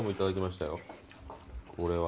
これは。